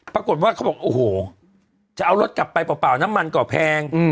เขาบอกโอ้โหจะเอารถกลับไปเปล่าน้ำมันก็แพง